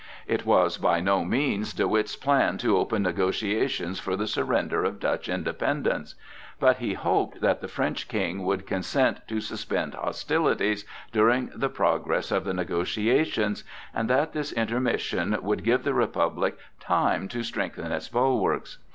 It was by no means De Witt's plan to open negotiations for the surrender of Dutch independence; but he hoped that the French King would consent to suspend hostilities during the progress of the negotiations, and that this intermission would give the Republic time to strengthen its bulwarks.